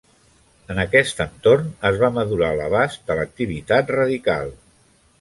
En aquest entorn es va madurar l'abast de l'activitat radical.